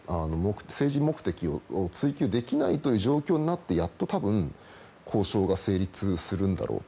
政治目的を追及できないという状況になってやっと交渉が成立するんだろうと。